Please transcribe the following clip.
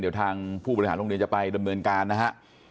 เดี๋ยวทางผู้บริหารโรงเรียนจะไปดำเนินการนะฮะ